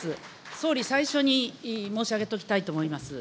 総理、最初に申し上げておきたいと思います。